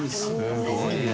すごいな。